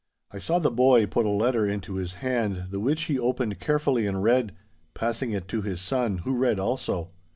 I saw the boy put a letter into his hand, the which he opened carefully and read, passing it to his son, who read also.